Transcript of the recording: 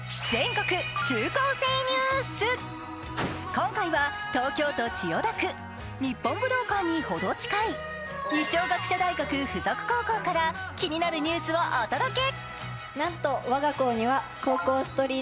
今回は東京都千代田区、日本武道館にほど近い二松学舎大学附属高等学校から気になるニュースをお届け。